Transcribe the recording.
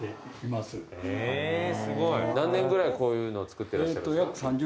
へぇーすごい！何年ぐらいこういうの作ってらっしゃるんですか？